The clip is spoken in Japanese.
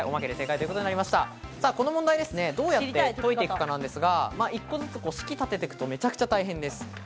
この問題は、どうやって解いていくかなんですが、１個ずつ式を立てていくと、めちゃくちゃ大変です。